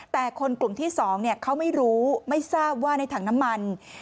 แต่คนกลุ่มที่๒เขาไม่รู้ไม่ทราบว่าในถังน้ำมัน